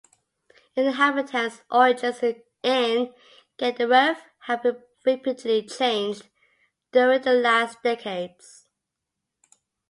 Inhabitants origins in Gedaref have rapidly changed during the last decades.